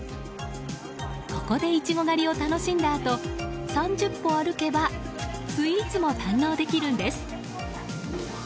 ここでイチゴ狩りを楽しんだあと３０歩歩けばスイーツも堪能できるんです。